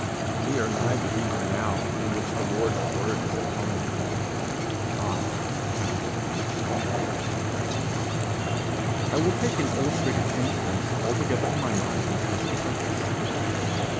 We are nigh the region now in which the Lord's word is at home 'I am the truth.' I will take an illustrative instance altogether to my mind and special purpose.